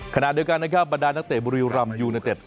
ขนาดเดียวกันบรรดานักเตะบุรียุรัมย์ยูนาเต็ด